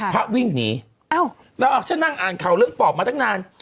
พระวิ่งหนีแล้วออกฉันนั่งอ่านข่าวเรื่องปอบมาตั้งนาน